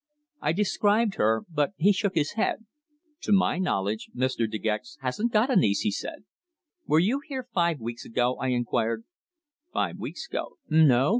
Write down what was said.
I described her, but he shook his head. "To my knowledge Mr. De Gex hasn't got a niece," he said. "Were you here five weeks ago?" I inquired. "Five weeks ago? No.